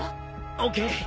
ＯＫ。